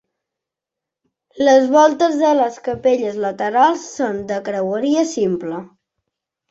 Les voltes de les capelles laterals són de creueria simple.